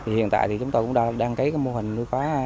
hiện tại thì chúng tôi cũng đăng ký cái mô hình nuôi khoá